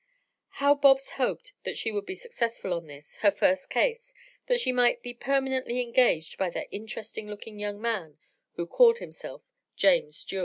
How Bobs hoped that she would be successful on this, her first case, that she might be permanently engaged by that interesting looking young man who called himself James Jewett.